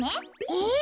えっ？